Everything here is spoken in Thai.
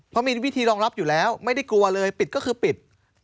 เพราะมีวิธีรองรับอยู่แล้วไม่ได้กลัวเลยปิดก็คือปิด